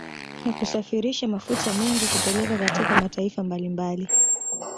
Na kusafirisha mafuta mengi kupeleka katika mataifa mbalimbali